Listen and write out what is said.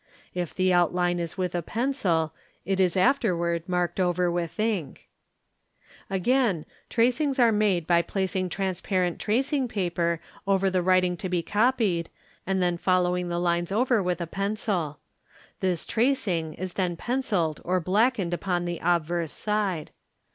If the Outline is with a pencil, it is afterward marked over with ink. = tracings are made by placing transparent tracing paper over if i to be copied and then following the lines over with a pencil. This tracing is then pencilled or blackened upon the obverse side.